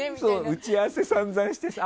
打ち合わせ散々してさ。